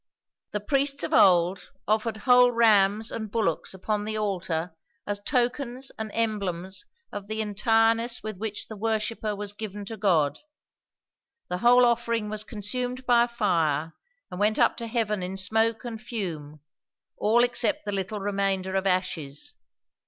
"The priests of old offered whole rams and bullocks upon the altar as tokens and emblems of the entireness with which the worshipper was given to God; the whole offering was consumed by fire and went up to heaven in smoke and fume, all except the little remainder of ashes.